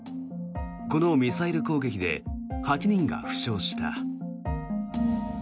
このミサイル攻撃で８人が負傷した。